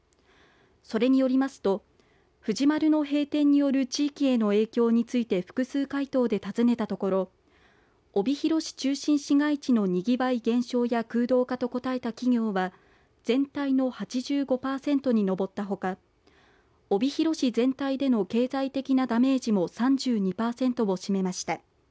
それによりますと藤丸の閉店による地域への影響について複数回答で尋ねたところ帯広市中心市街地のにぎわい減少や空洞化と答えた企業は全体の８５パーセントに上ったほか帯広市全体での経済的なダメージも３２パーセントを占めました。